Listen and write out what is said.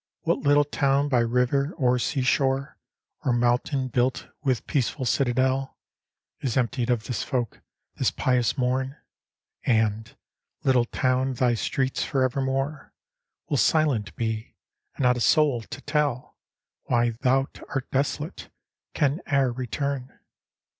What little town by river or seashore. Or mountain built with peaceful citadel, Is emptied of this folk, this pious mom? And, Uttle town, thy streets for evermore Will silent be; and not a soul to tell Why thou art desolate, can e'er return.